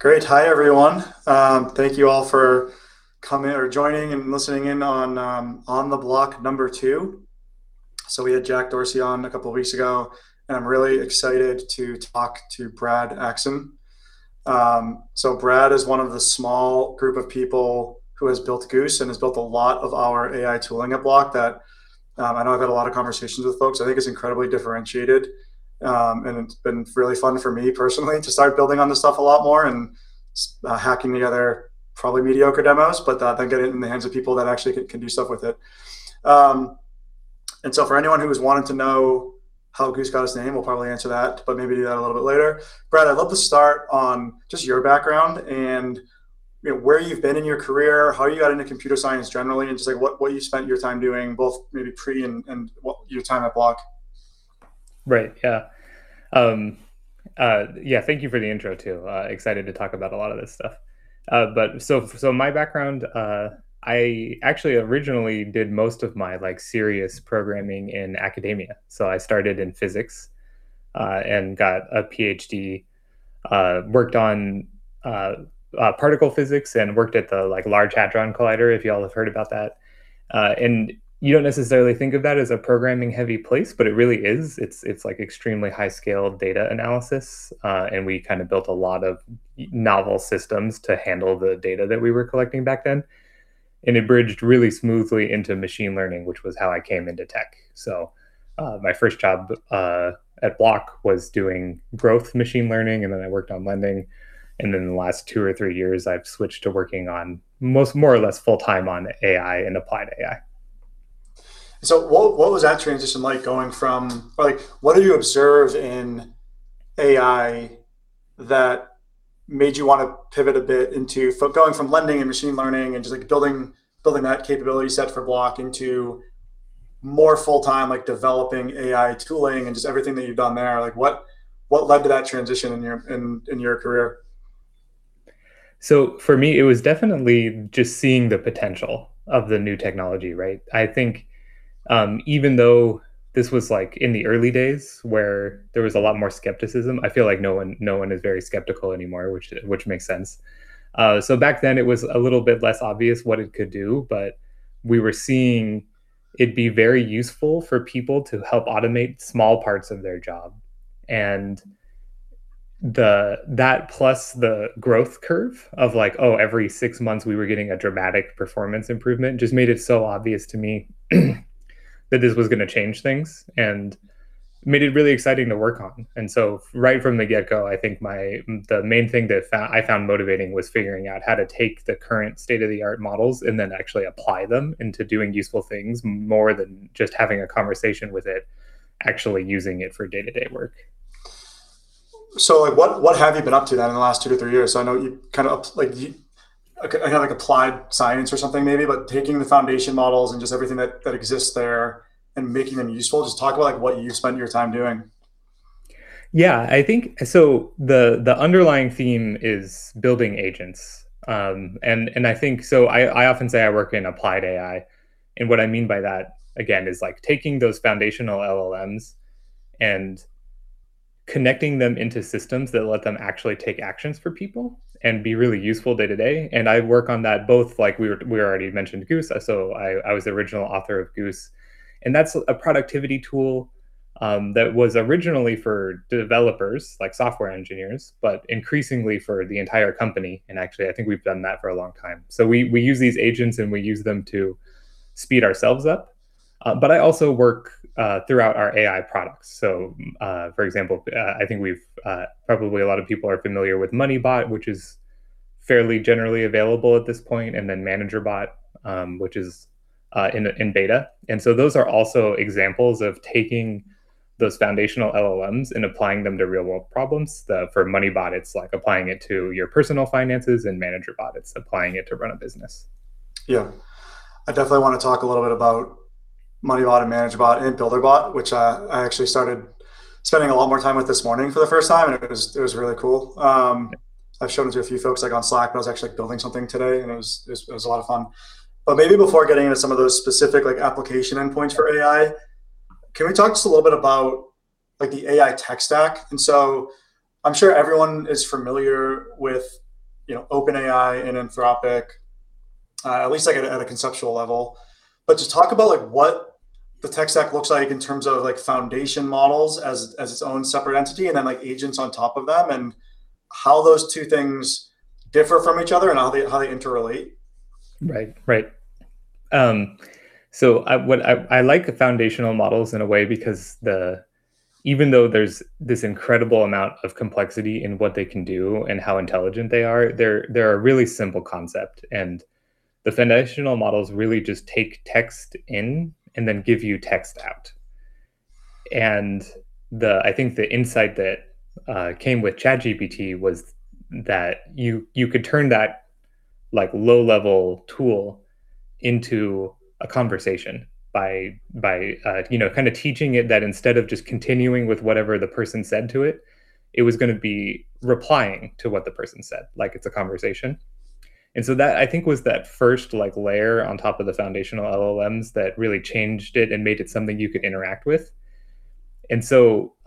Great. Hi, everyone. Thank you all for coming or joining and listening in on On the Block number two. We had Jack Dorsey on a couple weeks ago, and I'm really excited to talk to Brad Axen. Brad is one of the small group of people who has built Goose and has built a lot of our AI tooling at Block that I know I've had a lot of conversations with folks. I think it's incredibly differentiated, and it's been really fun for me personally to start building on this stuffa lot more and hacking together probably mediocre demos, but then get it in the hands of people that actually can do stuff with it. For anyone who was wanting to know how Goose got its name, we'll probably answer that, but maybe do that a little bit later. Brad, I'd love to start on just your background and, you know, where you've been in your career, how you got into computer science generally, and just, like, what you spent your time doing both maybe pre and your time at Block. Right. Yeah. Yeah, thank you for the intro, too. Excited to talk about a lot of this stuff. My background, I actually originally did most of my, like, serious programming in academia. I started in physics and got a PhD, worked on particle physics and worked at the, like, Large Hadron Collider, if y'all have heard about that. You don't necessarily think of that as a programming heavy place, but it really is. It's like extremely high scale data analysis. We kind of built a lot of novel systems to handle the data that we were collecting back then. It bridged really smoothly into machine learning, which was how I came into tech. My first job at Block was doing growth machine learning, and then I worked on lending. The last two or three years, I've switched to working more or less full time on AI and applied AI. What was that transition like, what do you observe in AI that made you wanna pivot a bit into going from lending and machine learning and just, like, building that capability set for Block into more full-time, like, developing AI tooling and just everything that you've done there? Like, what led to that transition in your career? For me, it was definitely just seeing the potential of the new technology, right? I think, even though this was, like, in the early days where there was a lot more skepticism, I feel like no one is very skeptical anymore, which makes sense. Back then it was a little bit less obvious what it could do, but we were seeing it be very useful for people to help automate small parts of their job. That plus the growth curve of, like, oh, every six months we were getting a dramatic performance improvement just made it so obvious to me that this was gonna change things and made it really exciting to work on. Right from the get-go, I think the main thing that I found motivating was figuring out how to take the current state-of-the-art models and then actually apply them into doing useful things, more than just having a conversation with it, actually using it for day-to-day work. Like, what have you been up to then in the last two to three years? I know you kind of, like, applied science or something maybe, but taking the foundation models and just everything that exists there and making them useful. Just talk about, like, what you spend your time doing. Yeah. The underlying theme is building agents. I often say I work in applied AI, and what I mean by that, again, is like taking those foundational LLMs and connecting them into systems that let them actually take actions for people and be really useful day to day. I work on that both like we were, we already mentioned Goose, so I was the original author of Goose, and that's a productivity tool that was originally for developers, like software engineers, but increasingly for the entire company, and actually I think we've done that for a long time. We use these agents, and we use them to speed ourselves up. I also work throughout our AI products. For example, I think probably a lot of people are familiar with Moneybot, which is fairly generally available at this point, and then Managerbot, which is in beta. Those are also examples of taking those foundational LLMs and applying them to real world problems. For Moneybot it's like applying it to your personal finances, and Managerbot it's applying it to run a business. Yeah. I definitely wanna talk a little bit about Moneybot and Managerbot and builderbot, which I actually started spending a lot more time with this morning for the first time, and it was really cool. I've shown it to a few folks, like, on Slack, but I was actually building something today, and it was a lot of fun. Maybe before getting into some of those specific, like, application endpoints for AI, can we talk just a little bit about, like, the AI tech stack? I'm sure everyone is familiar with, you know, OpenAI and Anthropic, at least, like at a conceptual level. Just talk about, like, what the tech stack looks like in terms of, like, foundation models as its own separate entity, and then, like, agents on top of them, and how those two things differ from each other and how they interrelate. Right. I like the foundational models in a way because even though there's this incredible amount of complexity in what they can do and how intelligent they are, they're a really simple concept. The foundational models really just take text in and then give you text out. I think the insight that came with ChatGPT was that you could turn that, like, low-level tool into a conversation by, you know, kind of teaching it that instead of just continuing with whatever the person said to it was gonna be replying to what the person said, like it's a conversation. That I think was that first, like, layer on top of the foundational LLMs that really changed it and made it something you could interact with. Sometime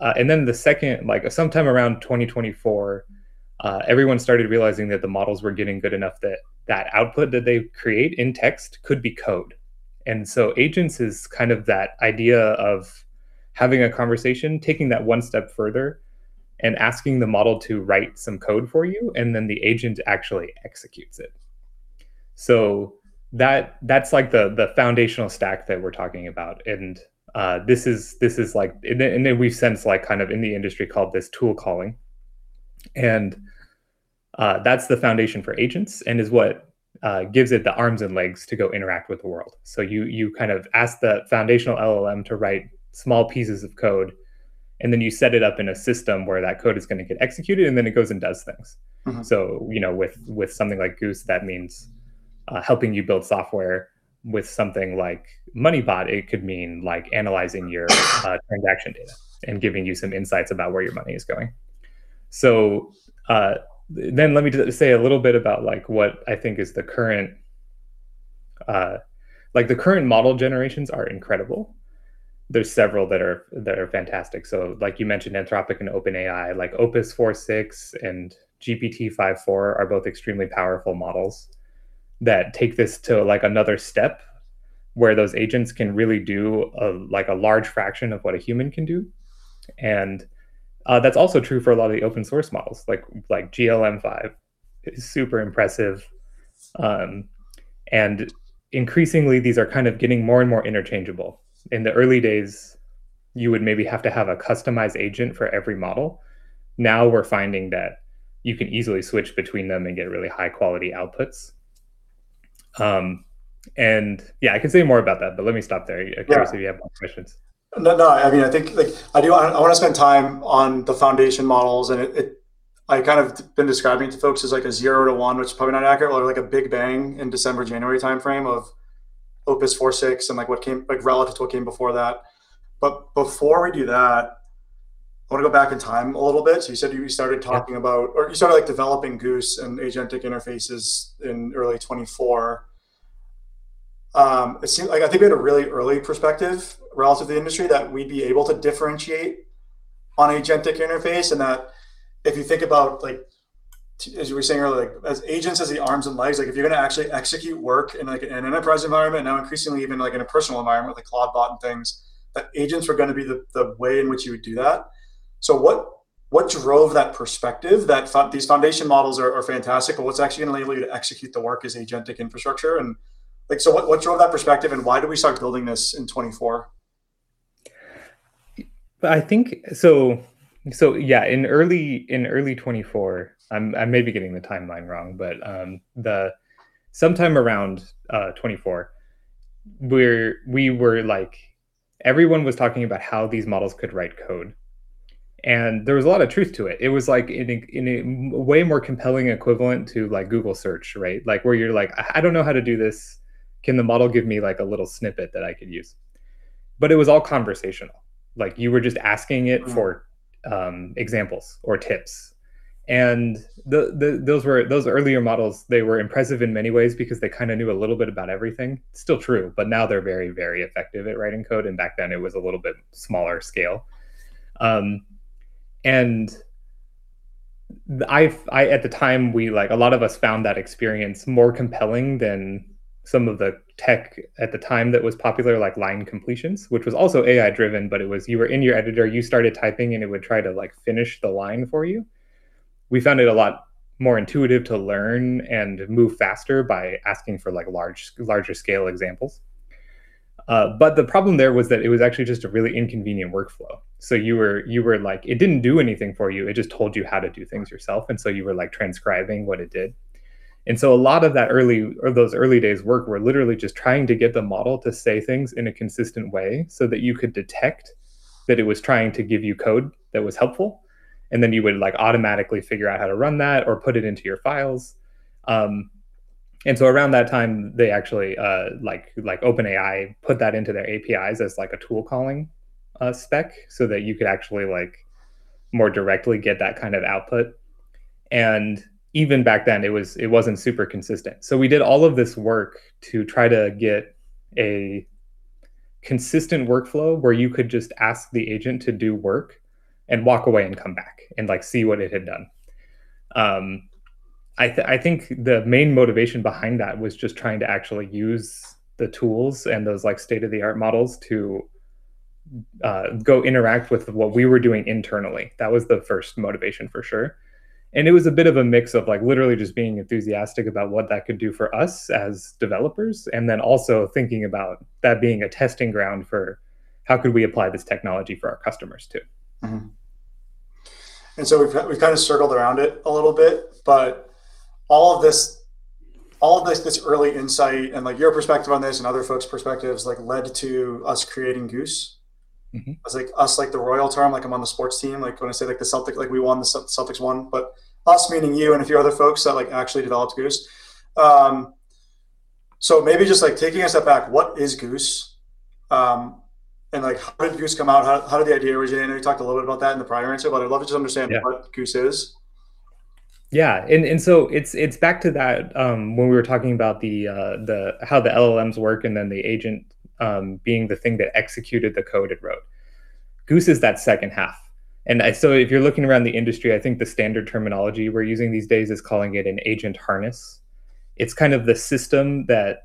around 2024, everyone started realizing that the models were getting good enough that the output that they create in text could be code. Agents is kind of that idea of having a conversation, taking that one step further, and asking the model to write some code for you, and then the agent actually executes it. That's like the foundational stack that we're talking about. We've since like kind of in the industry called this tool calling. That's the foundation for agents and is what gives it the arms and legs to go interact with the world. You kind of ask the foundational LLM to write small pieces of code, and then you set it up in a system where that code is gonna get executed, and then it goes and doesthings. Mm-hmm. With something like Goose, that means helping you build software. With something like Moneybot, it could mean analyzing your transaction data and giving you some insights about where your money is going. Let me just say a little bit about what I think is the current model generations are incredible. There are several that are fantastic. Like you mentioned, Anthropic and OpenAI, like Opus 4.6 and GPT-4o are both extremely powerful models that take this to like another step where those agents can really do a large fraction of what a human can do. That's also true for a lot of the open source models, like GLM 5 is super impressive. Increasingly these are kind of getting more and more interchangeable. In the early days, you would maybe have to have a customized agent for every model. Now we're finding that you can easily switch between them and get really high quality outputs. Yeah, I can say more about that, but let me stop there. Yeah In case if you have more questions. No, no. I mean, I think, like, I wanna spend time on the foundation models and it—I kind of been describing to folks as like a zero to one, which is probably not accurate, or like a big bang in December, January timeframe of Claude Opus 4.6 and relative to what came before that. Before I do that, I wanna go back in time a little bit. You said you started talking about- Yeah -or you started developing Goose and agentic interfaces in early 2024. It seems like I think we had a really early perspective relative to industry that we'd be able to differentiate on agentic interface and that if you think about, as you were saying earlier, as agents as the arms and legs, if you're gonna actually execute work in an enterprise environment, now increasingly even in a personal environment with ClaudeBot and things, that agents were gonna be the way in which you would do that. What drove that perspective that these foundation models are fantastic, but what's actually gonna enable you to execute the work as agentic infrastructure? What drove that perspective and why did we start building this in 2024? Yeah, in early 2024, I may be getting the timeline wrong, but sometime around 2024, we were like everyone was talking about how these models could write code, and there was a lot of truth to it. It was like in a way more compelling equivalent to like Google Search, right? Like where you're like, "I don't know how to do this. Can the model give me like a little snippet that I could use?" But it was all conversational, like you were just asking it for examples or tips. Those earlier models were impressive in many ways because they kinda knew a little bit about everything. Still true, but now they're very, very effective at writing code, and back then it was a little bit smaller scale. I at the time we like, a lot of us found that experience more compelling than some of the tech at the time that was popular, like line completions, which was also AI driven, but it was, you were in your editor, you started typing, and it would try to like finish the line for you. We found it a lot more intuitive to learn and move faster by asking for like large, larger scale examples. The problem there was that it was actually just a really inconvenient workflow. You were like, it didn't do anything for you. It just told you how to do things yourself, and you were like transcribing what it did. A lot of that early, or those early days work were literally just trying to get the model to say things in a consistent way so that you could detect that it was trying to give you code that was helpful, and then you would like automatically figure out how to run that or put it into your files. Around that time, they actually like OpenAI put that into their APIs as like a tool calling spec so that you could actually like more directly get that kind of output. Even back then it wasn't super consistent. We did all of this work to try to get a consistent workflow where you could just ask the agent to do work and walk away and come back and like see what it had done. I think the main motivation behind that was just trying to actually use the tools and those like state-of-the-art models to go interact with what we were doing internally. That was the first motivation for sure. It was a bit of a mix of like literally just being enthusiastic about what that could do for us as developers, and then also thinking about that being a testing ground for how could we apply this technology for our customers too. We've kind of circled around it a little bit, but all of this early insight and like your perspective on this and other folks' perspectives like led to us creating Goose. Mm-hmm. It's like us, like the royal we, like I'm on the sports team, like when I say like the Celtics, like Celtics won, but us meaning you and a few other folks that like actually developed Goose. Maybe just like taking a step back, what is Goose? Like how did Goose come out? How did the idea originate? I know you talked a little bit about that in the prior answer, but I'd love to just understand. Yeah What Goose is. Yeah. It's back to that, when we were talking about how the LLMs work and then the agent being the thing that executed the code it wrote. Goose is that second half. If you're looking around the industry, I think the standard terminology we're using these days is calling it an agent harness. It's kind of the system that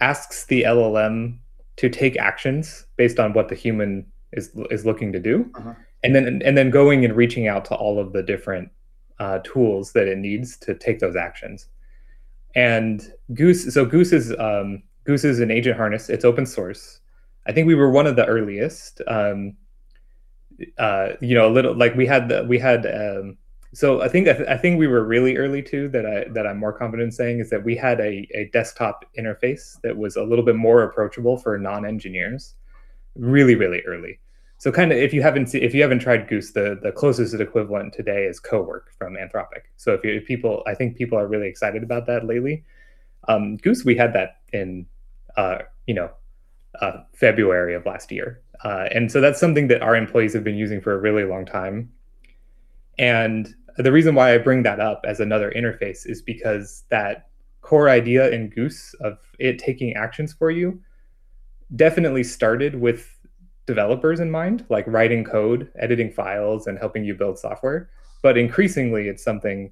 asks the LLM to take actions based on what the human is looking to do. Uh-huh. Going and reaching out to all of the different tools that it needs to take those actions. Goose is an agent harness. It's open source. I think we were one of the earliest. We had a desktop interface that was a little bit more approachable for non-engineers early. If you haven't tried Goose, the closest equivalent today is Cowork from Anthropic. I think people are really excited about that lately. Goose, we had that in February of last year. That's something that our employees have been using for a really long time. The reason why I bring that up as another interface is because that core idea in Goose of it taking actions for you definitely started with developers in mind, like writing code, editing files, and helping you build software. Increasingly it's something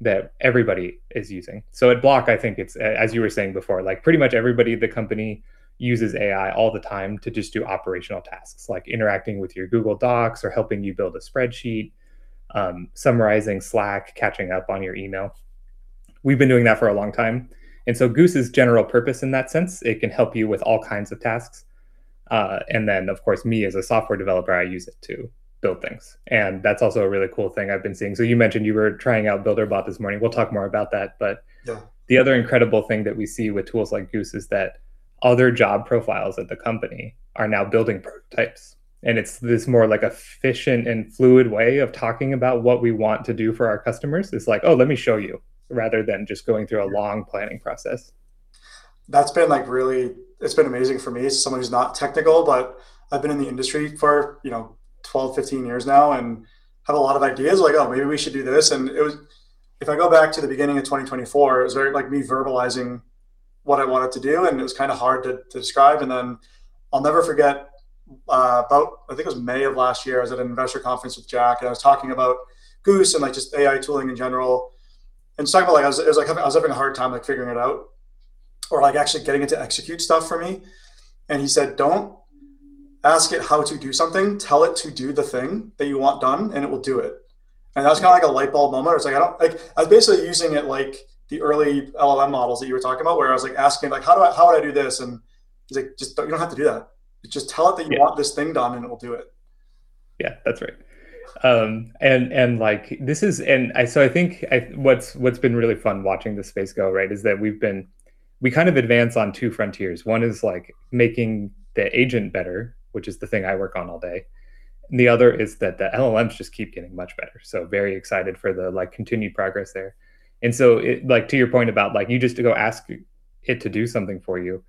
that everybody is using. At Block, I think it's, as you were saying before, like pretty much everybody at the company uses AI all the time to just do operational tasks, like interacting with your Google Docs or helping you build a spreadsheet, summarizing Slack, catching up on your email. We've been doing that for a long time. Goose is general purpose in that sense. It can help you with all kinds of tasks. Of course, me, as a software developer, I use it to build things, and that's also a really cool thing I've been seeing. You mentioned you were trying out builderbot this morning. We'll talk more about that. Yeah The other incredible thing that we see with tools like Goose is that other job profiles at the company are now building prototypes, and it's this more like efficient and fluid way of talking about what we want to do for our customers. It's like, "Oh, let me show you," rather than just going through a long planning process. That's been like really. It's been amazing for me as someone who's not technical, but I've been in the industry for, you know, 12, 15 years now and have a lot of ideas. Like, "Oh, maybe we should do this." It was. If I go back to the beginning of 2024, it was very, like me verbalizing what I wanted to do, and it was kind of hard to describe. Then I'll never forget, about, I think it was May of last year, I was at an investor conference with Jack, and I was talking about Goose and like just AI tooling in general. I was like, it was like I was having a hard time like figuring it out or like actually getting it to execute stuff for me. He said, "Don't ask it how to do something. Tell it to do the thing that you want done, and it will do it." That was kind of like a light bulb moment. It's like I was basically using it like the early LLM models that you were talking about, where I was like asking like, "How do I, how would I do this?" He's like, "Just don't, you don't have to do that. Just tell it that you want this thing done, and it will do it. Yeah, that's right. What's been really fun watching this space go, right, is that we kind of advance on two frontiers. One is like making the agent better, which is the thing I work on all day, and the other is that the LLMs just keep getting much better. Very excited for the like continued progress there. It, like to your point about like you just to go ask it to do something for you,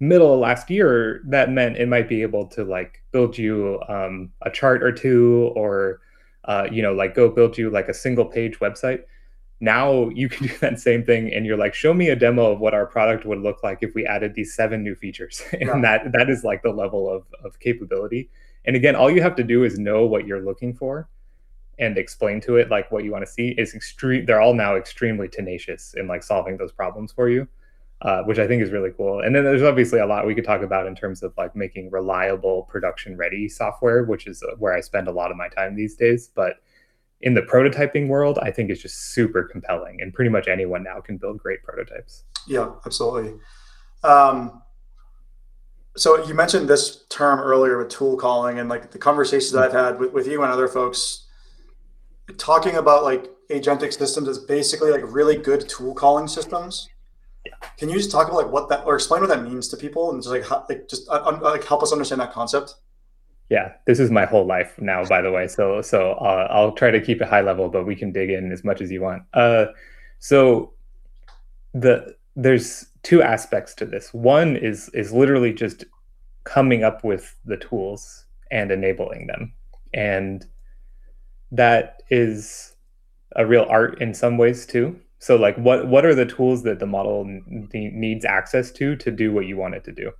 middle of last year that meant it might be able to like build you a chart or two or you know like go build you like a single page website. Now you can do that same thing and you're like, "Show me a demo of what our product would look like if we added these seven new features. Right. That is like the level of capability. Again, all you have to do is know what you're looking for and explain to it like what you want to see. They're all now extremely tenacious in like solving those problems for you, which I think is really cool. Then there's obviously a lot we could talk about in terms of like making reliable production-ready software, which is where I spend a lot of my time these days. In the prototyping world, I think it's just super compelling, and pretty much anyone now can build great prototypes. Yeah, absolutely. You mentioned this term earlier with tool calling, and like the conversations I've had with you and other folks, talking about like agentic systems is basically like really good tool calling systems. Yeah. Can you just talk about what that or explain what that means to people and just like how, like just help us understand that concept? Yeah. This is my whole life now, by the way. I'll try to keep it high level, but we can dig in as much as you want. There's two aspects to this. One is literally just coming up with the tools and enabling them, and that is a real art in some ways too. Like what are the tools that the model needs access to do what you want it to do?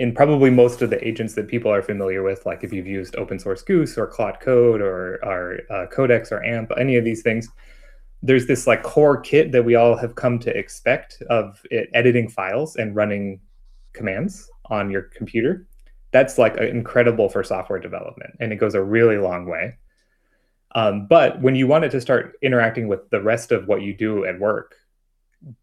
In probably most of the agents that people are familiar with, like if you've used open source Goose or Claude Code or Codex or AMP, any of these things, there's this like core kit that we all have come to expect of it, editing files and running commands on your computer. That's like incredible for software development, and it goes a really long way. When you want it to start interacting with the rest of what you do at work,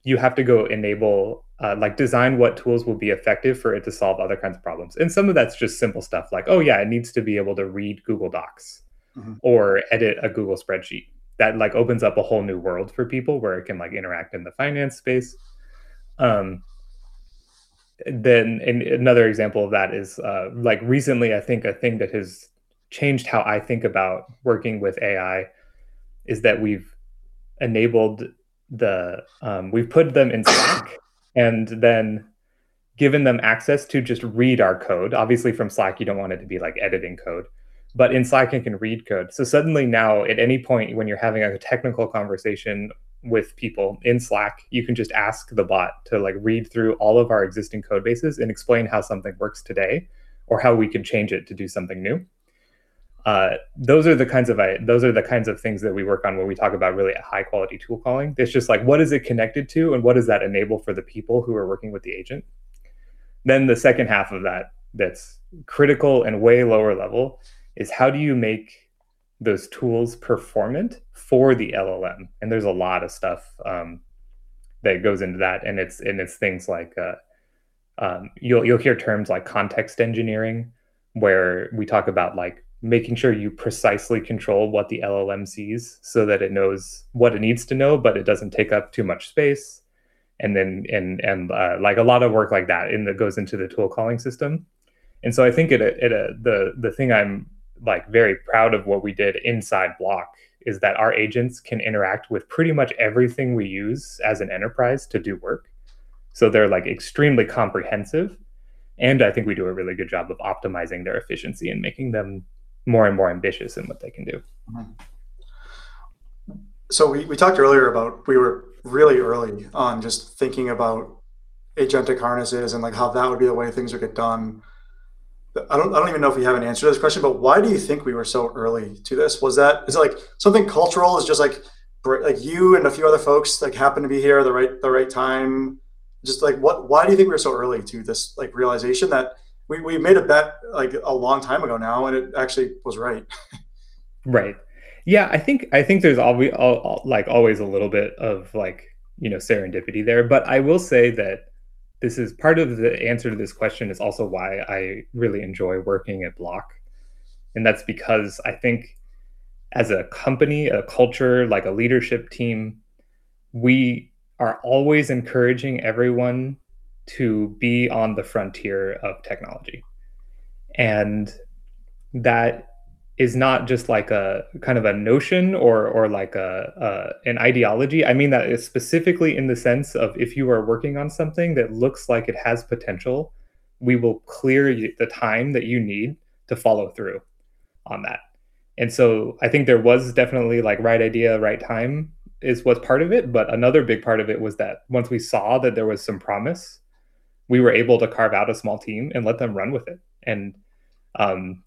you have to go enable, like design what tools will be effective for it to solve other kinds of problems. Some of that's just simple stuff like, oh yeah, it needs to be able to read Google Docs- Mm-hmm -or edit a Google spreadsheet. That like opens up a whole new world for people where it can like interact in the finance space. Another example of that is, like recently I think a thing that has changed how I think about working with AI is that we've put them in Slack and then given them access to just read our code. Obviously, from Slack you don't want it to be like editing code, but in Slack it can read code. Suddenly now at any point when you're having a technical conversation with people in Slack, you can just ask the bot to like read through all of our existing code bases and explain how something works today or how we could change it to do something new. Those are the kinds of things that we work on when we talk about really a high quality tool calling. It's just like what is it connected to and what does that enable for the people who are working with the agent. The second half of that that's critical and way lower level is how do you make those tools performant for the LLM. There's a lot of stuff that goes into that, and it's things like you'll hear terms like context engineering where we talk about like making sure you precisely control what the LLM sees so that it knows what it needs to know but it doesn't take up too much space. Like a lot of work like that that goes into the tool calling system. I think the thing I'm like very proud of what we did inside Block is that our agents can interact with pretty much everything we use as an enterprise to do work, so they're like extremely comprehensive, and I think we do a really good job of optimizing their efficiency and making them more and more ambitious in what they can do. We talked earlier about we were really early on just thinking about agentic harnesses and like how that would be the way things would get done. I don't even know if you have an answer to this question, but why do you think we were so early to this? Is it like something cultural? Is it just like Brad like you and a few other folks like happened to be here at the right time? Why do you think we're so early to this like realization that we made a bet like a long time ago now and it actually was right? Right. Yeah, I think there's like always a little bit of like, you know, serendipity there. I will say that this is part of the answer to this question is also why I really enjoy working at Block, and that's because I think as a company, a culture, like a leadership team, we are always encouraging everyone to be on the frontier of technology. That is not just like a kind of a notion or an ideology. I mean that it's specifically in the sense of if you are working on something that looks like it has potential, we will clear the time that you need to follow through on that. I think there was definitely like right idea, right time is what's part of it. Another big part of it was that once we saw that there was some promise, we were able to carve out a small team and let them run with it, and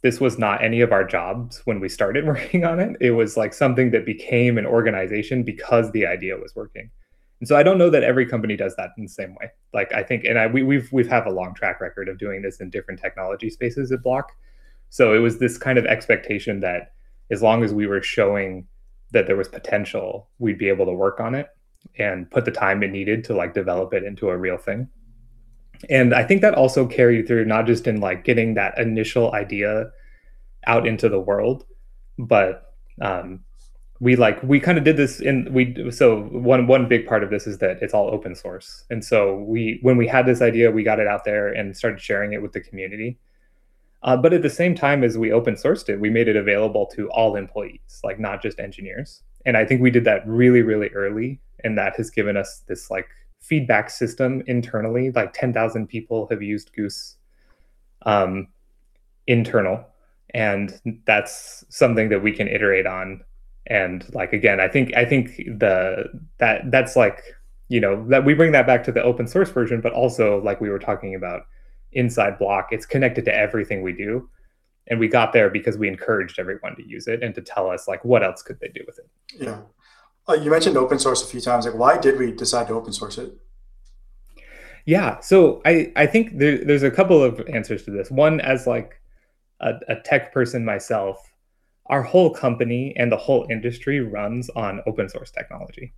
this was not any of our jobs when we started working on it. It was like something that became an organization because the idea was working. I don't know that every company does that in the same way. Like, I think we have a long track record of doing this in different technology spaces at Block. It was this kind of expectation that as long as we were showing that there was potential, we'd be able to work on it and put the time it needed to like develop it into a real thing. I think that also carried through not just in like getting that initial idea out into the world, but we kind of did this in, so one big part of this is that it's all open source. We, when we had this idea we got it out there and started sharing it with the community. At the same time as we open sourced it, we made it available to all employees, like not just engineers, and I think we did that really early and that has given us this like feedback system internally. Like 10,000 people have used Goose, internal, and that's something that we can iterate on. Like again, I think that that's like, you know, that we bring that back to the open source version, but also like we were talking about inside Block it's connected to everything we do, and we got there because we encouraged everyone to use it and to tell us like what else could they do with it. Yeah. You mentioned open source a few times. Like why did we decide to open source it? Yeah. I think there's a couple of answers to this. One, as like a tech person myself, our whole company and the whole industry runs on open source technology.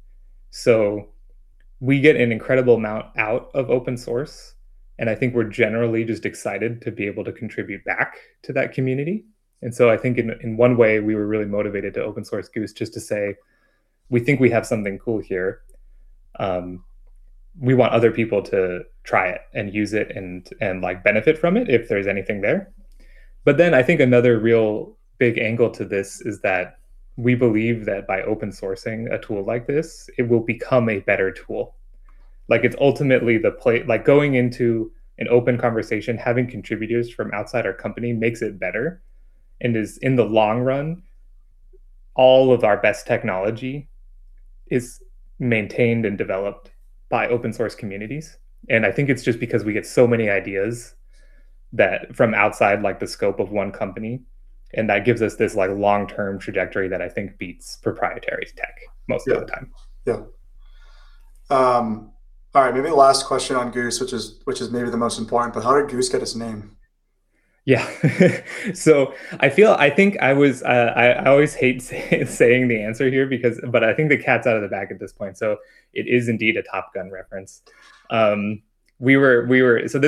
We get an incredible amount out of open source, and I think we're generally just excited to be able to contribute back to that community. I think in one way we were really motivated to open source Goose just to say, "We think we have something cool here. We want other people to try it and use it and like benefit from it if there's anything there." I think another real big angle to this is that we believe that by open sourcing a tool like this it will become a better tool. Going into an open conversation, having contributors from outside our company makes it better and, in the long run, all of our best technology is maintained and developed by open source communities. I think it's just because we get so many ideas that, from outside like the scope of one company and that gives us this like long-term trajectory that I think beats proprietary tech most of the time. Yeah. Yeah. All right. Maybe last question on Goose, which is maybe the most important, but how did Goose get its name? Yeah. I feel I think I was I always hate saying the answer here because I think the cat's out of the bag at this point, so it is indeed a Top Gun reference. This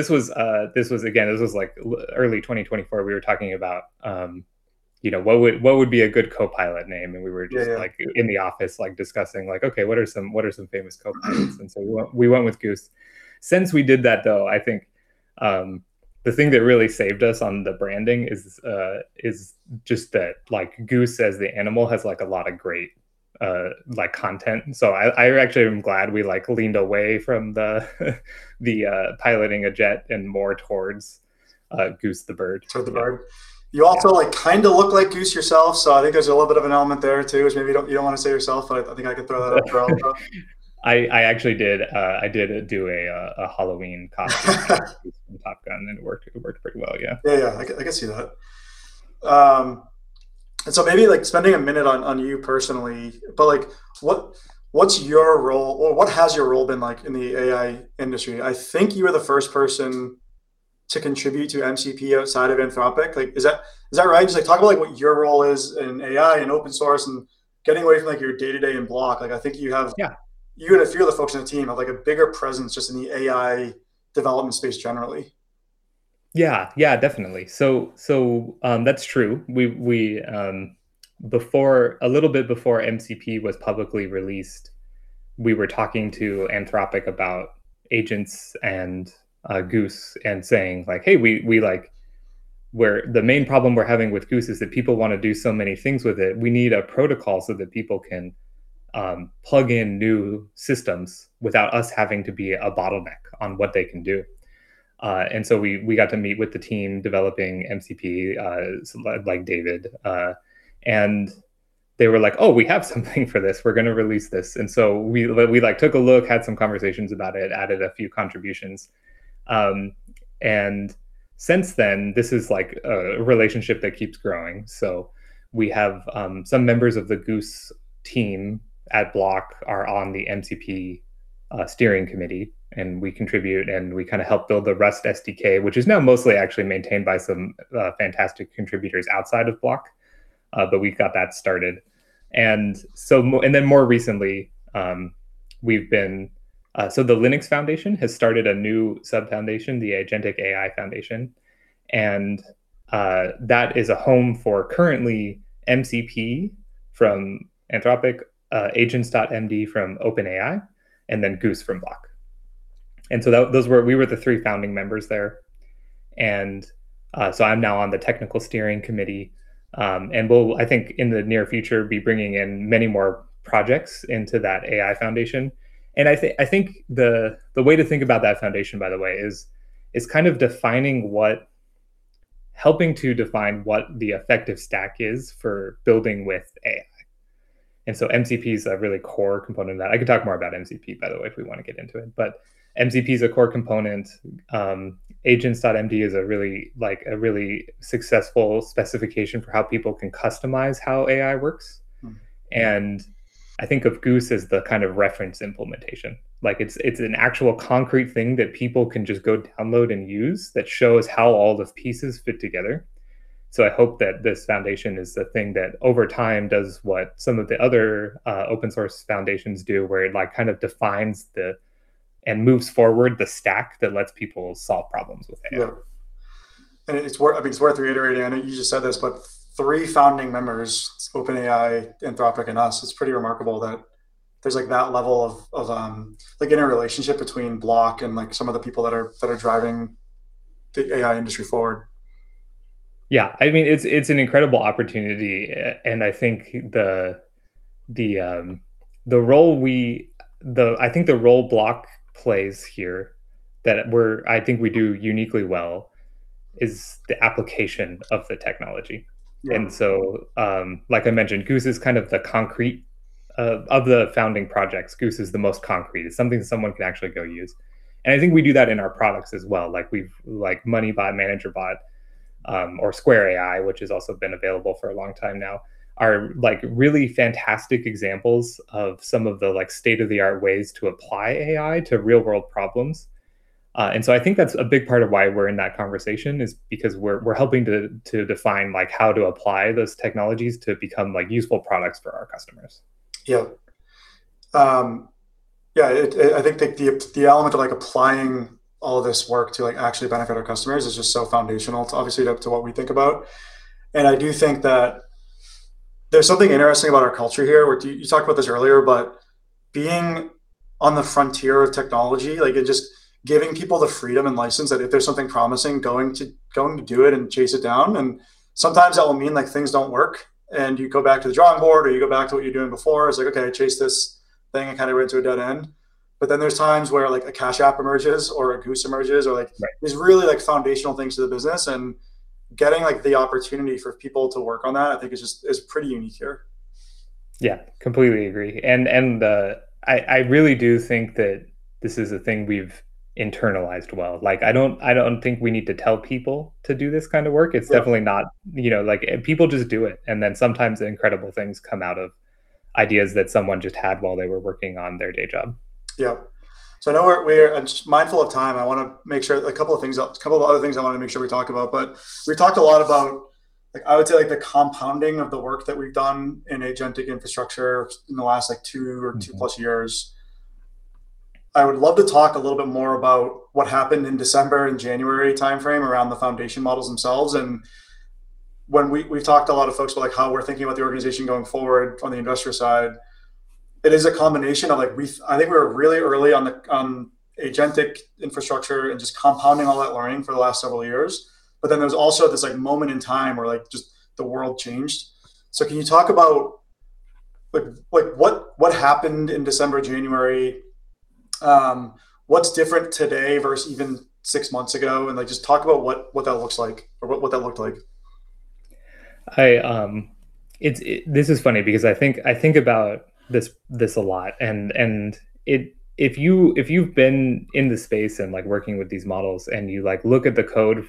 was again like early 2024 we were talking about you know what would be a good co-pilot name? We were just- Yeah -like, in the office, like discussing, like, "Okay, what are some famous co-pilots?" We went with Goose. Since we did that though, I think the thing that really saved us on the branding is just that, like, Goose as the animal has, like, a lot of great, like content. I actually am glad we, like, leaned away from the piloting a jet and more towards Goose the bird. Goose the bird. Yeah. You also, like, kinda look like Goose yourself, so I think there's a little bit of an element there too, you don't wanna sell yourself, but I think I could throw that out there also. I actually did. I did do a Halloween costume from Top Gun and it worked pretty well, yeah. Yeah, yeah. I can see that. Maybe, like, spending a minute on you personally, but like what's your role or what has your role been like in the AI industry? I think you were the first person to contribute to MCP outside of Anthropic. Like is that right? Just, like, talk about, like, what your role is in AI and open source, and getting away from, like, your day-to-day in Block. Like, I think you have- Yeah You and a few of the folks on the team have, like, a bigger presence just in the AI development space generally. Yeah. Yeah, definitely. That's true. A little bit before MCP was publicly released, we were talking to Anthropic about agents and Goose, and saying like, "Hey, the main problem we're having with Goose is that people wanna do so many things with it. We need a protocol so that people can plug in new systems without us having to be a bottleneck on what they can do." We got to meet with the team developing MCP, so like David. They were like, "Oh, we have something for this. We're gonna release this." We, like, took a look, had some conversations about it, added a few contributions. Since then this is like a relationship that keeps growing. We have some members of the Goose team at Block are on the MCP steering committee, and we contribute, and we kinda help build the Rust SDK, which is now mostly actually maintained by some fantastic contributors outside of Block. We got that started. More recently, the Linux Foundation has started a new sub-foundation, the Agentic AI Foundation. That is a home for currently MCP from Anthropic, AGENTS.md from OpenAI, and then Goose from Block. We were the three founding members there. I'm now on the technical steering committee. We'll, I think, in the near future be bringing in many more projects into that AI foundation. I think the way to think about that foundation, by the way, is kind of helping to define what the effective stack is for building with AI. MCP is a really core component of that. I can talk more about MCP, by the way, if we wanna get into it, but MCP is a core component. AGENTS.md is a really, like a really successful specification for how people can customize how AI works. Mm-hmm. I think of Goose as the kind of reference implementation. Like it's an actual concrete thing that people can just go download and use that shows how all the pieces fit together. I hope that this foundation is the thing that over time does what some of the other open source foundations do, where it like kind of defines the and moves forward the stack that lets people solve problems with AI. Yeah. It's worth, I think it's worth reiterating. I know you just said this, but three founding members, OpenAI, Anthropic, and us. It's pretty remarkable that there's, like, that level of, like in a relationship between Block and, like, some of the people that are driving the AI industry forward. Yeah. I mean, it's an incredible opportunity. I think the role Block plays here that we do uniquely well is the application of the technology. Yeah. Like I mentioned, Goose is kind of the concrete of the founding projects. Goose is the most concrete. It's something someone can actually go use, and I think we do that in our products as well. Like, we've like Moneybot, Managerbot, or Square AI, which has also been available for a long time now, are like really fantastic examples of some of the like state-of-the-art ways to apply AI to real world problems. I think that's a big part of why we're in that conversation is because we're helping to define like how to apply those technologies to become like useful products for our customers. Yeah. Yeah. I think the element of, like, applying all this work to, like, actually benefit our customers is just so foundational to, obviously, to what we think about. I do think that there's something interesting about our culture here, where you talked about this earlier, but being on the frontier of technology, like just giving people the freedom and license that if there's something promising, going to do it and chase it down. Sometimes that will mean, like, things don't work, and you go back to the drawing board, or you go back to what you were doing before as like, "Okay, I chased this thing and kind of ran into a dead end." Then there's times where, like, a Cash App emerges, or a Goose emerges, or like- Right -there's really, like, foundational things to the business, and getting, like, the opportunity for people to work on that I think is just pretty unique here. Yeah. Completely agree. I really do think that this is a thing we've internalized well. Like, I don't think we need to tell people to do this kind of work. Yeah. It's definitely not, you know, like. People just do it, and then sometimes incredible things come out of ideas that someone just had while they were working on their day job. Yeah. I know we're. I'm just mindful of time. I wanna make sure like, a couple of things, a couple of other things I wanna make sure we talk about. We talked a lot about, like, I would say, like the compounding of the work that we've done in agentic infrastructure in the last, like two- Mm-hmm -or two-plus years. I would love to talk a little bit more about what happened in December and January timeframe around the foundation models themselves. When we've talked to a lot of folks about how we're thinking about the organization going forward on the investor side, it is a combination of like I think we're really early on the on agentic infrastructure and just compounding all that learning for the last several years. But then there's also this like moment in time where like just the world changed. So can you talk about like what happened in December, January? What's different today versus even six months ago? And like just talk about what that looks like or what that looked like. This is funny because I think about this a lot, and if you've been in the space and like working with these models and you like look at the code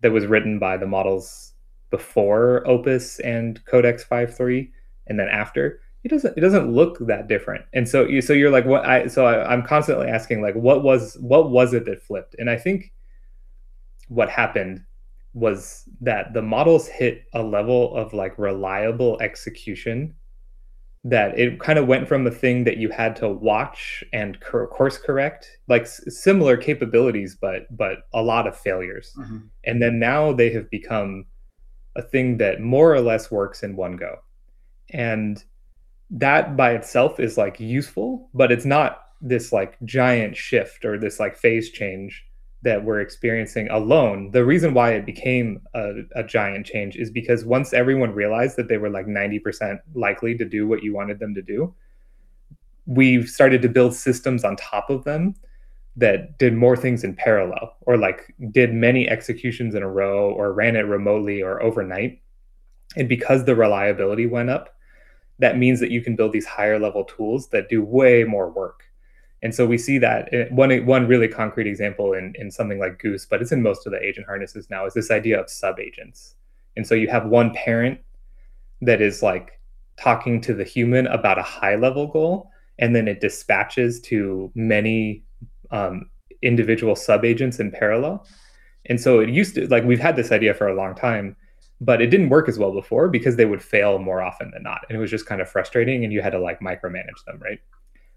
that was written by the models before Opus and Codex 5.3 and then after, it doesn't look that different. You're like, I'm constantly asking like, what was it that flipped? I think what happened was that the models hit a level of like reliable execution that it kind of went from a thing that you had to watch and course correct, like similar capabilities, but a lot of failures. Mm-hmm. Now they have become a thing that more or less works in one go. That by itself is like useful, but it's not this like giant shift or this like phase change that we're experiencing alone. The reason why it became a giant change is because once everyone realized that they were like 90% likely to do what you wanted them to do, we've started to build systems on top of them that did more things in parallel or like did many executions in a row or ran it remotely or overnight. Because the reliability went up, that means that you can build these higher level tools that do way more work. We see that one really concrete example in something like Goose, but it's in most of the agent harnesses now, is this idea of sub-agents. You have one parent that is like talking to the human about a high level goal, and then it dispatches to many individual sub-agents in parallel. Like we've had this idea for a long time, but it didn't work as well before because they would fail more often than not, and it was just kind of frustrating and you had to like micromanage them, right?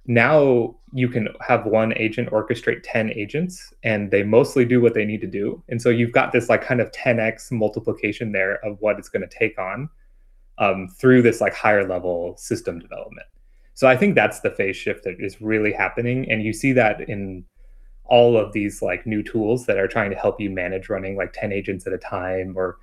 Now you can have one agent orchestrate 10 agents, and they mostly do what they need to do. You've got this like kind of 10X multiplication there of what it's gonna take on through this like higher level system development. I think that's the phase shift that is really happening, and you see that in all of these like new tools that are trying to help you manage running like 10 agents at a time or,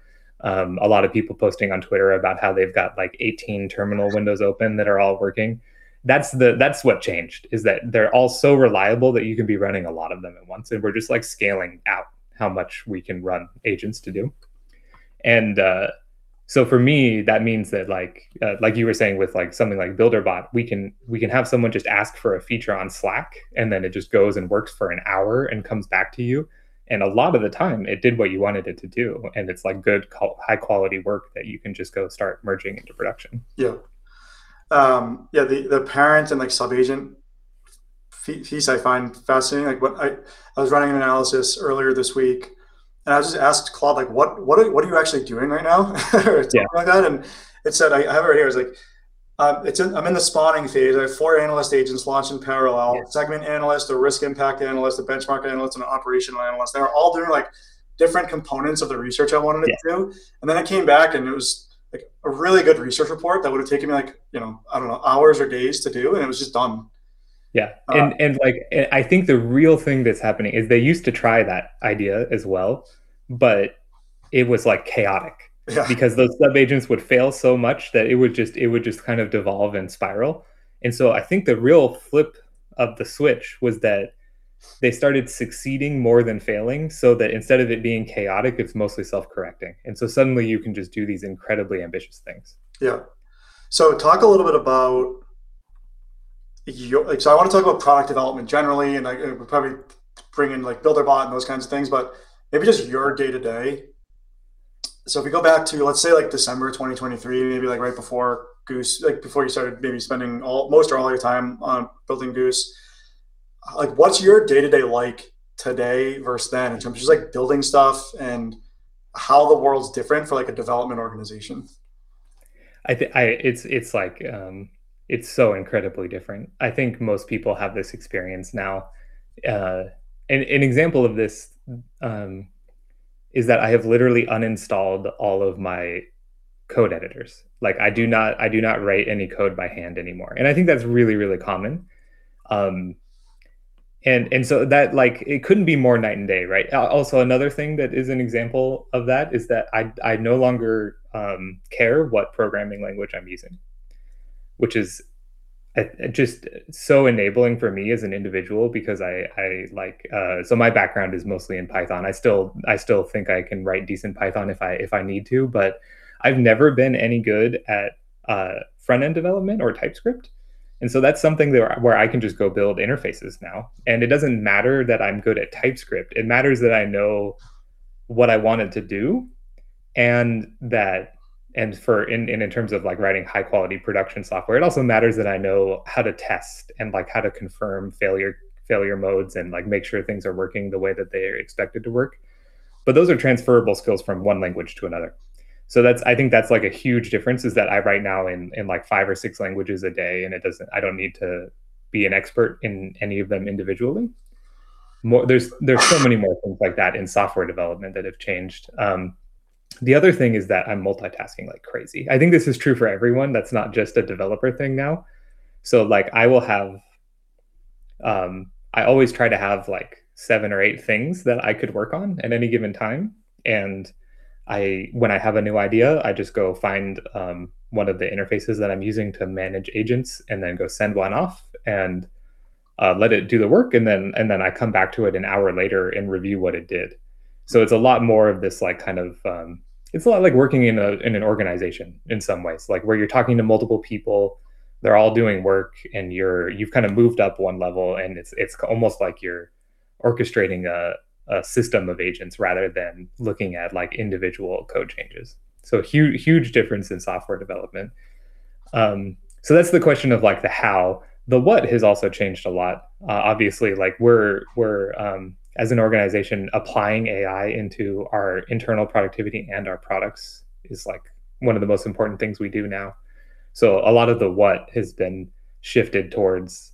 a lot of people posting on X about how they've got like 18 terminal windows open that are all working. That's what changed, is that they're all so reliable that you can be running a lot of them at once, and we're just like scaling out how much we can run agents to do. For me, that means that like you were saying with like something like builderbot, we can have someone just ask for a feature on Slack, and then it just goes and works for an hour and comes back to you. A lot of the time, it did what you wanted it to do, and it's like high quality work that you can just go start merging into production. Yeah, the parent and like sub-agent feature I find fascinating. Like, what I was running an analysis earlier this week, and I just asked Claude like, "What are you actually doing right now? Yeah. Something like that. It said, I have it right here. It was like, it said, "I'm in the spotting phase. I have four analyst agents launched in parallel. Yeah. Segment analyst, a risk impact analyst, a benchmark analyst, and an operational analyst." They were all doing like different components of the research I wanted it to do. Yeah. I came back and it was like a really good research report that would've taken me like, you know, I don't know, hours or days to do, and it was just done. Yeah. Um- I think the real thing that's happening is they used to try that idea as well, but it was like chaotic. Yeah Because those sub-agents would fail so much that it would just kind of devolve and spiral. I think the real flip of the switch was that they started succeeding more than failing, so that instead of it being chaotic, it's mostly self-correcting. Suddenly you can just do these incredibly ambitious things. Yeah. Talk a little bit about your day-to-day. I wanna talk about product development generally, and I, and we'll probably bring in like builderbot and those kinds of things, but maybe just your day-to-day. If we go back to, let's say like December 2023, maybe like right before Goose, like before you started maybe spending all, most or all of your time on building Goose, like what's your day-to-day like today versus then in terms of just like building stuff and how the world's different for like a development organization? I think It's like it's so incredibly different. I think most people have this experience now. An example of this is that I have literally uninstalled all of my code editors. Like I do not write any code by hand anymore, and I think that's really common. And so that like it couldn't be more night and day, right? Also another thing that is an example of that is that I no longer care what programming language I'm using, which is just so enabling for me as an individual because I like my background is mostly in Python. I still think I can write decent Python if I need to, but I've never been any good at front-end development or TypeScript. That's something where I can just go build interfaces now, and it doesn't matter that I'm good at TypeScript. It matters that I know what I want it to do and that in terms of like writing high quality production software, it also matters that I know how to test and like how to confirm failure modes and like make sure things are working the way that they are expected to work. Those are transferable skills from one language to another. That's, I think, like, a huge difference is that I write now in like five or six languages a day, and it doesn't. I don't need to be an expert in any of them individually. There's so many more things like that in software development that have changed. The other thing is that I'm multitasking like crazy. I think this is true for everyone. That's not just a developer thing now. Like, I will have, I always try to have, like, seven or eight things that I could work on at any given time, and when I have a new idea, I just go find one of the interfaces that I'm using to manage agents and then go send one off and let it do the work. I come back to it an hour later and review what it did. It's a lot more of this, like, kind of like working in an organization in some ways. Like, where you're talking to multiple people, they're all doing work, and you've kind of moved up one level, and it's almost like you're orchestrating a system of agents rather than looking at, like, individual code changes. Huge difference in software development. That's the question of, like, the how. The what has also changed a lot. Obviously, like, we're as an organization, applying AI into our internal productivity and our products is, like, one of the most important things we do now. A lot of the what has been shifted towards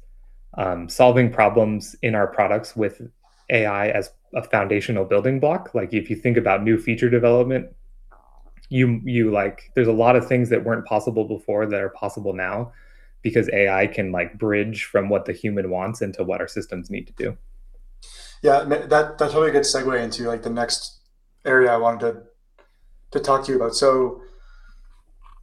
solving problems in our products with AI as a foundational building block. Like, if you think about new feature development, you like, there's a lot of things that weren't possible before that are possible now because AI can, like, bridge from what the human wants into what our systems need to do. Yeah. That's probably a good segue into, like, the next area I wanted to talk to you about.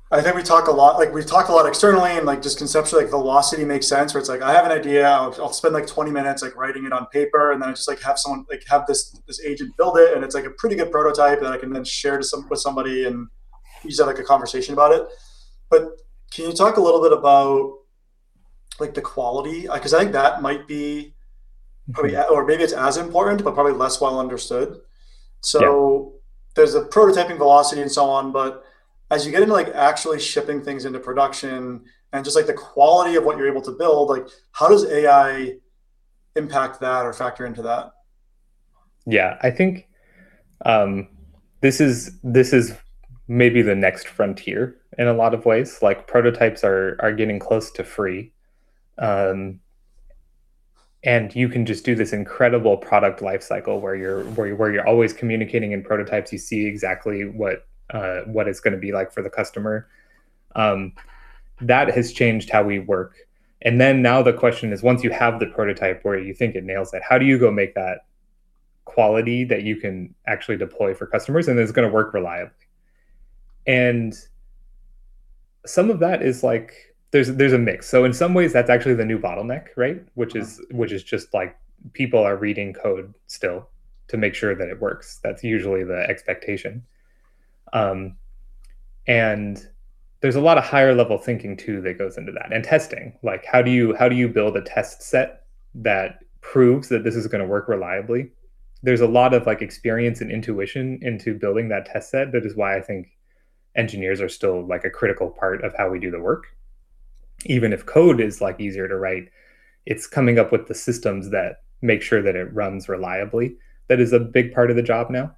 I think we talk a lot, like, we've talked a lot externally and, like, just conceptually, like, velocity makes sense, where it's like, I have an idea. I'll spend like 20 minutes, like, writing it on paper, and then I just, like, have someone, like, have this agent build it, and it's, like, a pretty good prototype that I can then share with somebody and use, like, a conversation about it. Can you talk a little bit about, like, the quality? 'Cause I think that might be probably- Mm-hmm maybe it's as important, but probably less well understood. Yeah. there's the prototyping velocity and so on, but as you get into, like, actually shipping things into production and just, like, the quality of what you're able to build, like, how does AI impact that or factor into that? Yeah. I think this is maybe the next frontier in a lot of ways. Like, prototypes are getting close to free. You can just do this incredible product life cycle where you're always communicating in prototypes. You see exactly what it's gonna be like for the customer. That has changed how we work. Now the question is, once you have the prototype where you think it nails it, how do you go make that quality that you can actually deploy for customers and that it's gonna work reliably? Some of that is, like, there's a mix. In some ways that's actually the new bottleneck, right? Uh-huh. Which is just, like, people are reading code still to make sure that it works. That's usually the expectation. There's a lot of higher level thinking too that goes into that, and testing. Like, how do you build a test set that proves that this is gonna work reliably? There's a lot of, like, experience and intuition into building that test set. That is why I think engineers are still, like, a critical part of how we do the work. Even if code is, like, easier to write, it's coming up with the systems that make sure that it runs reliably that is a big part of the job now.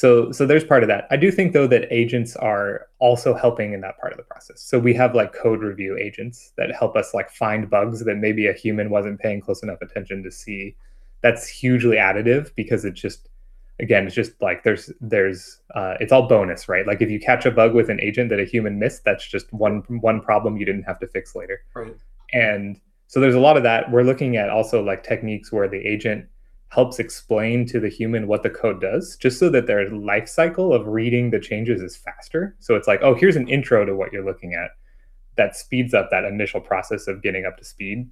There's part of that. I do think, though, that agents are also helping in that part of the process. We have, like, code review agents that help us, like, find bugs that maybe a human wasn't paying close enough attention to see. That's hugely additive because it just again, it's just, like, there's, it's all bonus, right? Like, if you catch a bug with an agent that a human missed, that's just one problem you didn't have to fix later. Right. There's a lot of that. We're looking at also, like, techniques where the agent helps explain to the human what the code does, just so that their life cycle of reading the changes is faster. It's like, "Oh, here's an intro to what you're looking at," that speeds up that initial process of getting up to speed.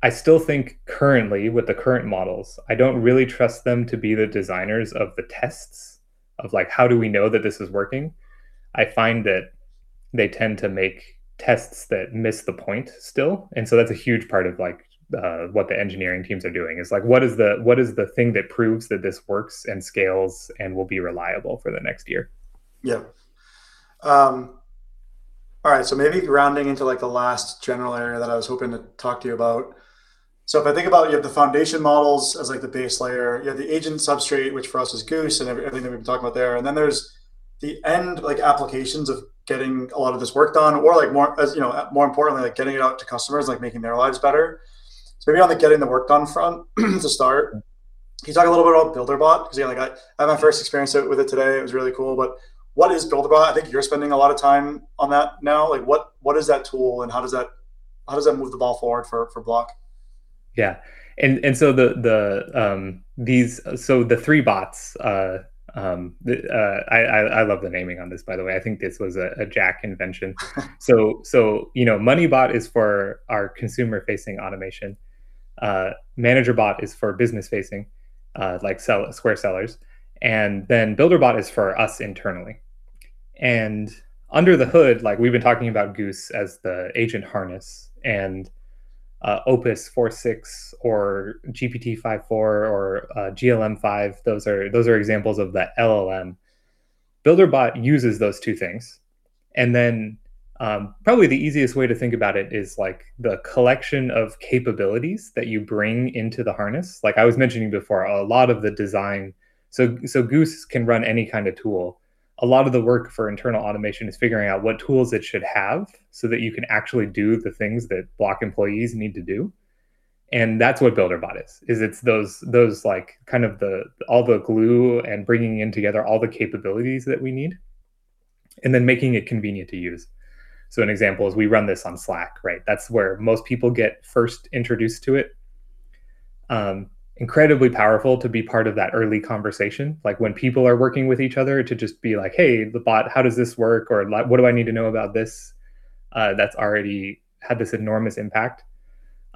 I still think currently, with the current models, I don't really trust them to be the designers of the tests of, like, how do we know that this is working? I find that they tend to make tests that miss the point still. That's a huge part of, like, what the engineering teams are doing, is like, what is the thing that proves that this works and scales and will be reliable for the next year? Yeah. All right, so maybe rounding into, like, the last general area that I was hoping to talk to you about. If I think about, you have the foundation models as, like, the base layer. You have the agent substrate, which for us is Goose, and everything that we've been talking about there. Then there's the end, like, applications of getting a lot of this work done, or, like, more as, you know, more importantly, like, getting it out to customers, like, making their lives better. Maybe on the getting the work done front to start, can you talk a little bit about builderbot? 'Cause, you know, like, I had my first experience with it today. It was really cool. What is builderbot? I think you're spending a lot of time on that now. Like, what is that tool, and how does that move the ball forward for Block? The three bots. I love the naming on this, by the way. I think this was a Jack invention. You know, Moneybot is for our consumer-facing automation. Managerbot is for business-facing, like Square sellers. Then builderbot is for us internally. Under the hood, like we've been talking about Goose as the agent harness, and Opus 4.6 or GPT-5.4 or GLM 5, those are examples of the LLMs builderbot uses those two things and then probably the easiest way to think about it is, like, the collection of capabilities that you bring into the harness. Like I was mentioning before, a lot of the design Goose can run any kind of tool. A lot of the work for internal automation is figuring out what tools it should have so that you can actually do the things that Block employees need to do and that's what builderbot is, it's those, like, kind of, all the glue and bringing it together all the capabilities that we need and then making it convenient to use. An example is we run this on Slack, right? That's where most people get first introduced to it. Incredibly powerful to be part of that early conversation, like when people are working with each other to just be like, "Hey, the bot, how does this work?" Or like, "What do I need to know about this?" That's already had this enormous impact.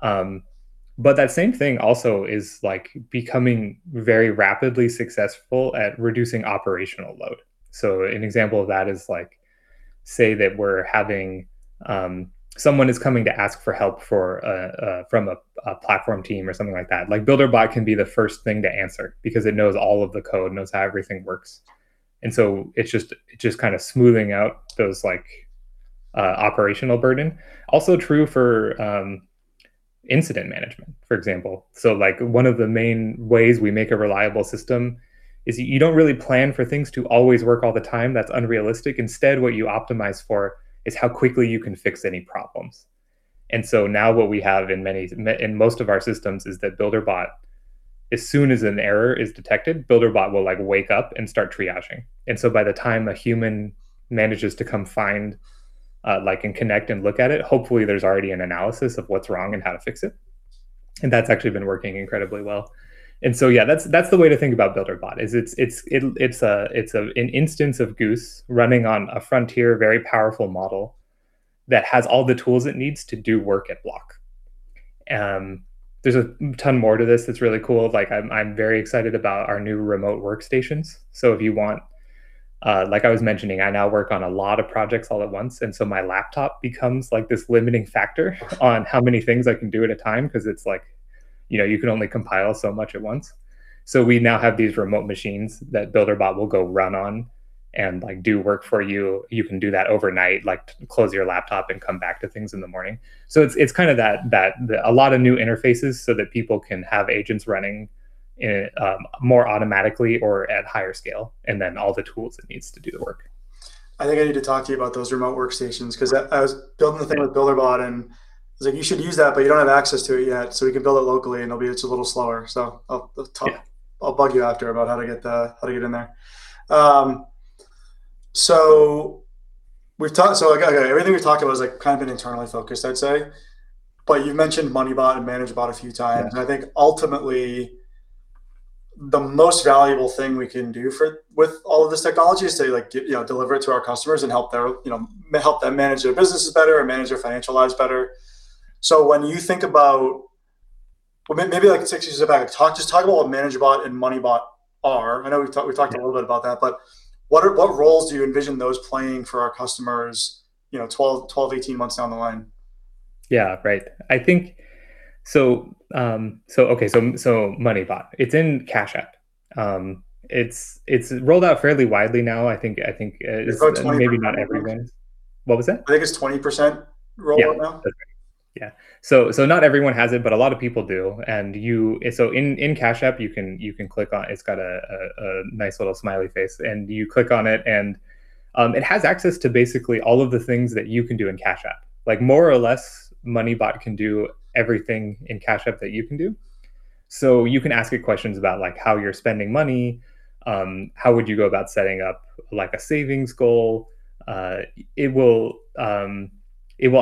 That same thing also is, like, becoming very rapidly successful at reducing operational load. An example of that is, like, say that we're having someone is coming to ask for help from a platform team or something like that. Like, builderbot can be the first thing to answer because it knows all of the code, knows how everything works and so it's just kind of smoothing out those, like, operational burden. Also true for incident management, for example. Like, one of the main ways we make a reliable system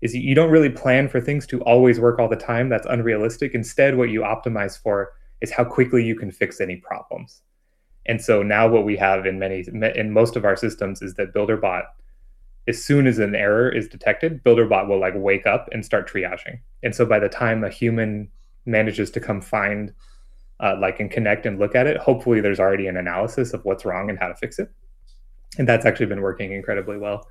is you don't really plan for things to always work all the time. That's unrealistic. Instead, what you optimize for is how quickly you can fix any problems and so now what we have in most of our systems is that builderbot, as soon as an error is detected, builderbot will, like, wake up and start triaging. By the time a human manages to come find, like, and connect and look at it, hopefully there's already an analysis of what's wrong and how to fix it, and that's actually been working incredibly well.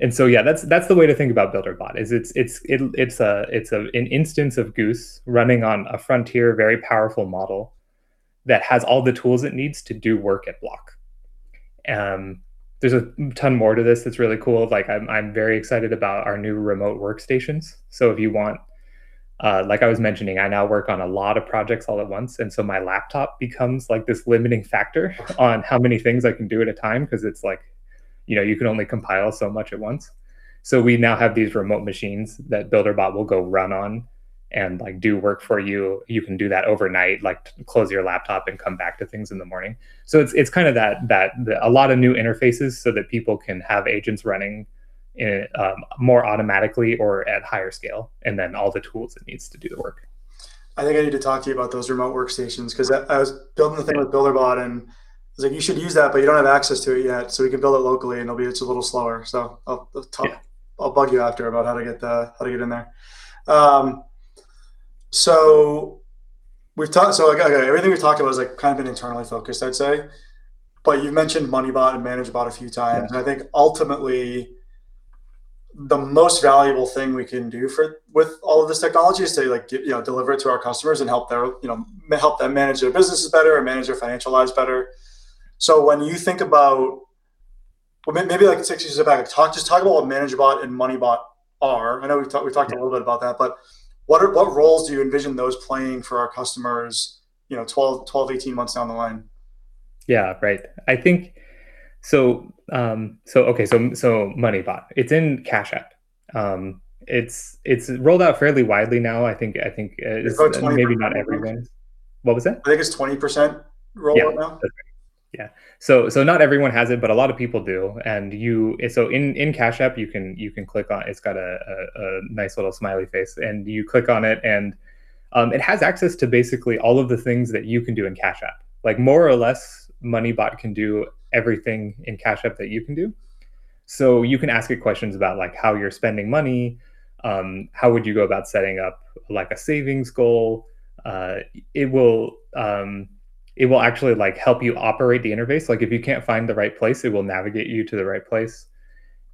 Yeah, that's the way to think about builderbot is it's an instance of Goose running on a frontier, very powerful model that has all the tools it needs to do work at Block. There's a ton more to this that's really cool. Like, I'm very excited about our new remote workstations, so if you want. Like I was mentioning, I now work on a lot of projects all at once, and so my laptop becomes, like, this limiting factor on how many things I can do at a time 'cause it's like, you know, you can only compile so much at once. We now have these remote machines that builderbot will go run on and, like, do work for you. You can do that overnight, like close your laptop and come back to things in the morning. It's kind of that a lot of new interfaces so that people can have agents running more automatically or at higher scale, and then all the tools it needs to do the work. I think I need to talk to you about those remote workstations 'cause I was building the thing with builderbot and I was like, "You should use that, but you don't have access to it yet, so we can build it locally and it'll be just a little slower." I'll talk- Yeah. I'll bug you later about how to get in there. We've talked, okay, everything we've talked about is like kind of been internally focused, I'd say, but you've mentioned Moneybot and Managerbot a few times. Yeah. I think ultimately the most valuable thing we can do for with all of this technology is say, like, you know, deliver it to our customers and help them manage their businesses better or manage their financial lives better. When you think about, well, maybe like six years back, just talk about what Managerbot and Moneybot are. I know we've talked a little bit about that. What roles do you envision those playing for our customers, you know, 12-18 months down the line? Yeah, right. I think so. Okay, Moneybot. It's in Cash App. It's rolled out fairly widely now. I think it's- It's about 20%. Maybe not everyone. What was that? I think it's 20% rolled out now. Yeah. That's right. Yeah. Not everyone has it, but a lot of people do, and in Cash App, you can click on it. It's got a nice little smiley face, and you click on it, and it has access to basically all of the things that you can do in Cash App. Like, more or less, Moneybot can do everything in Cash App that you can do. You can ask it questions about, like, how you're spending money, how would you go about setting up, like, a savings goal. It will actually, like, help you operate the interface. Like, if you can't find the right place, it will navigate you to the right place,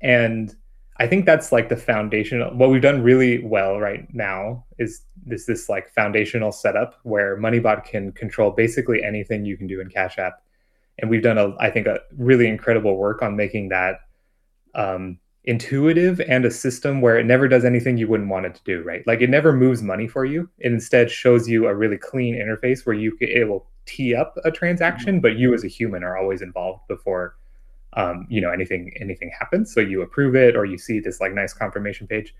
and I think that's, like, the foundation. What we've done really well right now is this like foundational setup where Moneybot can control basically anything you can do in Cash App, and we've done, I think, a really incredible work on making that intuitive and a system where it never does anything you wouldn't want it to do, right? Like, it never moves money for you. It instead shows you a really clean interface where it will tee up a transaction, but you as a human are always involved before you know anything happens. You approve it or you see this like nice confirmation page.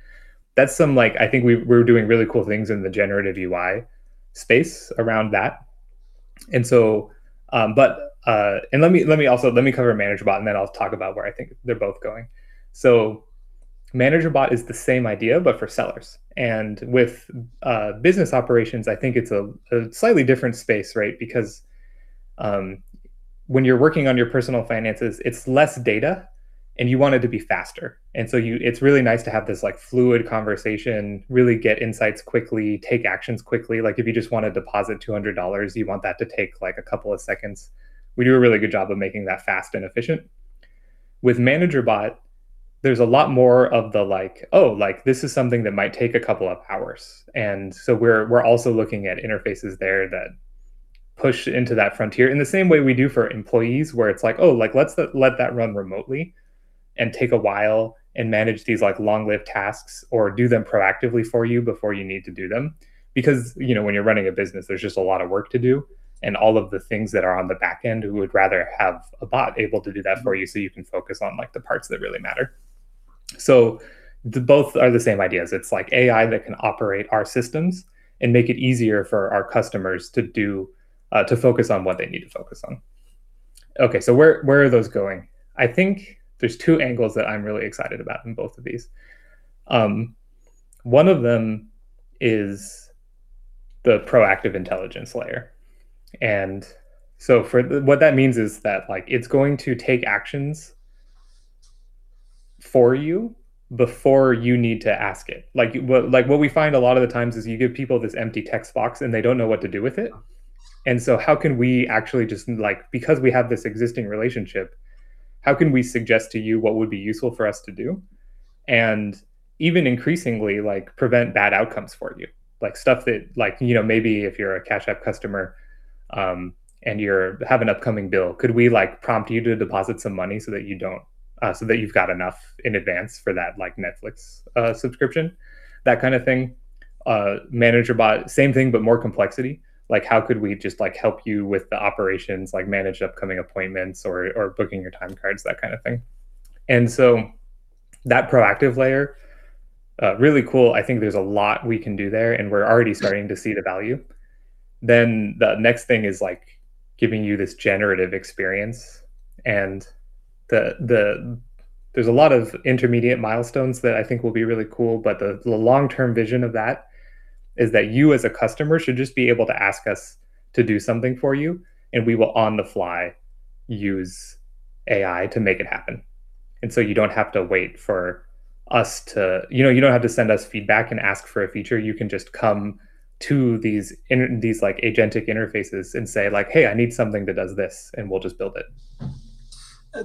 That's some like I think we're doing really cool things in the generative UI space around that. Let me cover Managerbot, and then I'll talk about where I think they're both going. Managerbot is the same idea but for sellers. With business operations, I think it's a slightly different space, right? Because when you're working on your personal finances, it's less data and you want it to be faster. You, it's really nice to have this, like, fluid conversation, really get insights quickly, take actions quickly. Like, if you just wanna deposit $200, you want that to take, like, a couple of seconds. We do a really good job of making that fast and efficient. With Managerbot, there's a lot more of the like, "Oh," like, this is something that might take a couple of hours. We're also looking at interfaces there that push into that frontier in the same way we do for employees, where it's like, "Oh," like, "let's let that run remotely and take a while and manage these, like, long-lived tasks or do them proactively for you before you need to do them." Because, you know, when you're running a business, there's just a lot of work to do, and all of the things that are on the back end, we would rather have a bot able to do that for you so you can focus on, like, the parts that really matter. The both are the same ideas. It's like AI that can operate our systems and make it easier for our customers to do, to focus on what they need to focus on. Okay, where are those going? I think there's two angles that I'm really excited about in both of these. One of them is the proactive intelligence layer. What that means is that, like, it's going to take actions for you before you need to ask it. Like what we find a lot of the times is you give people this empty text box, and they don't know what to do with it. How can we actually just like, because we have this existing relationship, how can we suggest to you what would be useful for us to do? Even increasingly, like prevent bad outcomes for you, like stuff that like, you know, maybe if you're a Cash App customer, and you have an upcoming bill, could we like prompt you to deposit some money so that you don't, so that you've got enough in advance for that like Netflix subscription, that kind of thing. Managerbot, same thing, but more complexity. Like how could we just like help you with the operations, like manage upcoming appointments or booking your time cards, that kind of thing. That proactive layer, really cool. I think there's a lot we can do there, and we're already starting to see the value. The next thing is like giving you this generative experience and there's a lot of intermediate milestones that I think will be really cool, but the long-term vision of that is that you as a customer should just be able to ask us to do something for you, and we will on the fly use AI to make it happen. You don't have to wait for us. You know, you don't have to send us feedback and ask for a feature. You can just come to these like agentic interfaces and say like, "Hey, I need something that does this," and we'll just build it.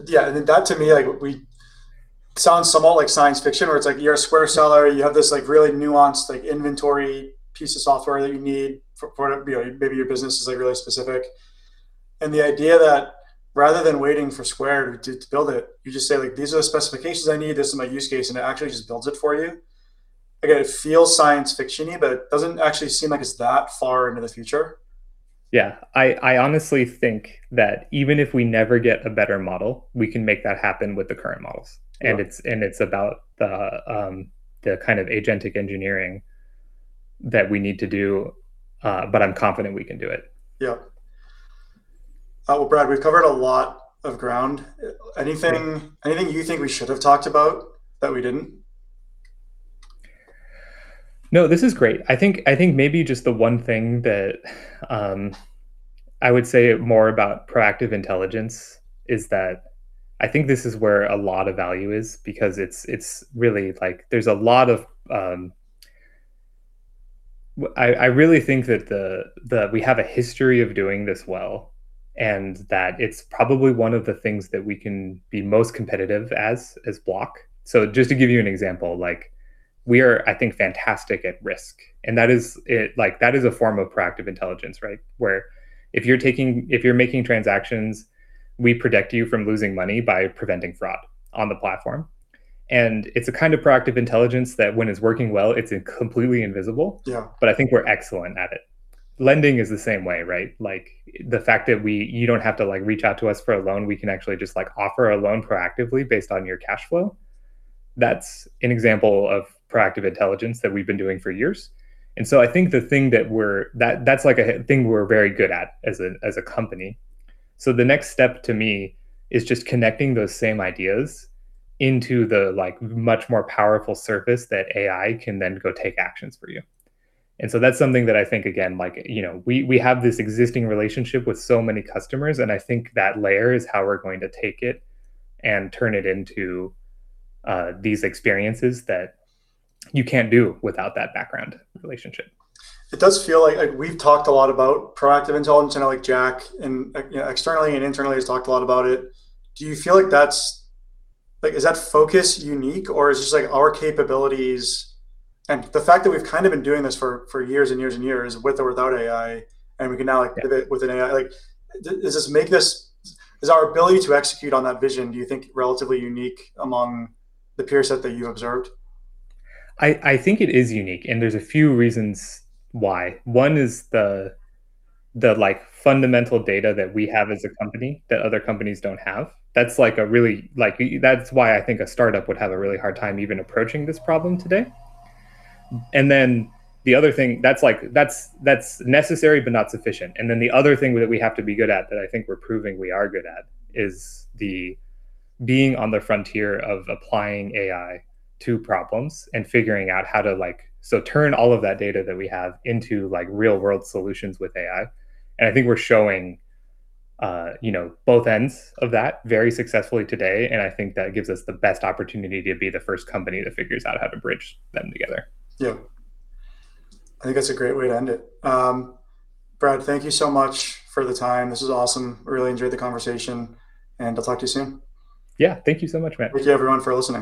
Yeah. That to me sounds somewhat like science fiction where it's like you're a Square seller, you have this like really nuanced, like inventory piece of software that you need for, you know, maybe your business is like really specific. The idea that rather than waiting for Square to build it, you just say like, "These are the specifications I need, this is my use case," and it actually just builds it for you. Again, it feels science fiction-y, but it doesn't actually seem like it's that far into the future. Yeah. I honestly think that even if we never get a better model, we can make that happen with the current models. Yeah. It's about the kind of agentic engineering that we need to do, but I'm confident we can do it. Yeah. Well, Brad, we've covered a lot of ground. Anything- Sure Anything you think we should have talked about that we didn't? No, this is great. I think maybe just the one thing that I would say more about proactive intelligence is that I think this is where a lot of value is because it's really like there's a lot of. I really think that the we have a history of doing this well, and that it's probably one of the things that we can be most competitive as Block. Just to give you an example, like we are, I think, fantastic at risk, and that is a form of proactive intelligence, right? Where if you're making transactions, we protect you from losing money by preventing fraud on the platform. It's a kind of proactive intelligence that when it's working well, it's completely invisible. Yeah. I think we're excellent at it. Lending is the same way, right? Like the fact that you don't have to like reach out to us for a loan, we can actually just like offer a loan proactively based on your cash flow. That's an example of proactive intelligence that we've been doing for years. I think the thing that we're that's like a thing we're very good at as a company. The next step to me is just connecting those same ideas into the like much more powerful surface that AI can then go take actions for you. That's something that I think, again, like, you know, we have this existing relationship with so many customers, and I think that layer is how we're going to take it and turn it into these experiences that you can't do without that background relationship. It does feel like we've talked a lot about proactive intelligence, you know, like Jack and, you know, externally and internally has talked a lot about it. Do you feel like that's like is that focus unique, or is just like our capabilities and the fact that we've kind of been doing this for years and years and years with or without AI, and we can now like do it with an AI, like does this make this is our ability to execute on that vision, do you think, relatively unique among the peer set that you observed? I think it is unique, and there's a few reasons why. One is the like fundamental data that we have as a company that other companies don't have. That's why I think a startup would have a really hard time even approaching this problem today. That's necessary but not sufficient. The other thing that we have to be good at that I think we're proving we are good at is being on the frontier of applying AI to problems and figuring out how to like so turn all of that data that we have into like real world solutions with AI. I think we're showing, you know, both ends of that very successfully today, and I think that gives us the best opportunity to be the first company that figures out how to bridge them together. Yeah. I think that's a great way to end it. Brad, thank you so much for the time. This was awesome. Really enjoyed the conversation, and I'll talk to you soon. Yeah. Thank you so much, Matt.